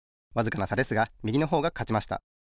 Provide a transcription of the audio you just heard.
わずかなさですがみぎのほうがかちました。